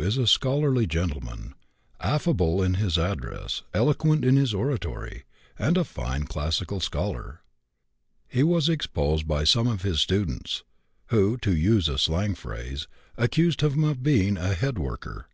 is a scholarly gentleman, affable in his address, eloquent in his oratory, and a fine classical scholar. He was exposed by some of his students, who, to use a slang phrase, accused him of being a 'head worker.'